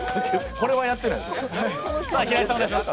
これはやってないです。